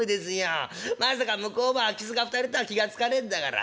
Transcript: まさか向こうも空き巣が２人とは気が付かねえんだから。